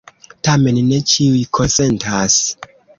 Tamen ne ĉiuj konsentas.